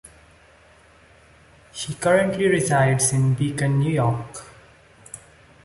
He currently resides in Beacon, New York.